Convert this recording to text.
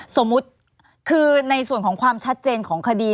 สมมุติคือในส่วนของความชัดเจนของคดี